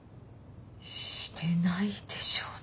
してないでしょうね。